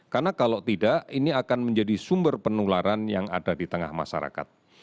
karena kalau tidak ini akan menjadi sumber penularan yang ada di tengah masyarakat